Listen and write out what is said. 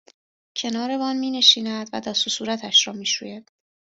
کنار وان مینشیند و دست و صورتش را میشوید